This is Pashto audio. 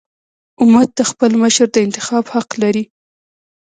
امت د خپل مشر د انتخاب حق لري.